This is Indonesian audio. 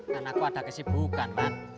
karena aku ada kesibukan